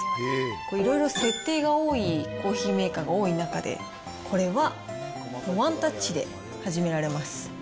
いろいろ設定が多いコーヒーメーカーが多い中で、これはワンタッチで始められます。